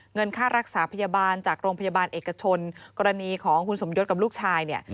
เงินค่ารักษาพยาบาลจากโรงพยาบาลเอกชนกรณีของคุณสมยศกับลูกชายเนี่ย